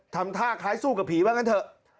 ทำท่าคล้ายสู้กับผีว่างั้นเถอะ